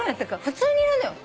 普通にいるのよ